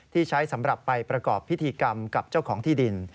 ที่ใช้สำหรับไปประกอบพิธีกรรมกับเจ้าของที่ดิน